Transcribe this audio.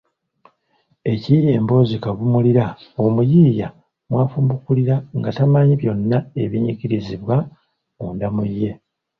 Ekiyiiye mboozi kavumulira omuyiiya mw’afumbukulira nga tamanyi byonna ebinyigirizibwa munda mu ye.